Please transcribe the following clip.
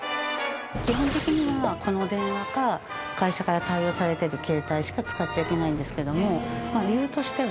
基本的にはこの電話か会社から貸与されてる携帯しか使っちゃいけないんですけども。